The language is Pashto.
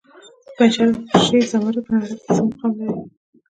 د پنجشیر زمرد په نړۍ کې څه مقام لري؟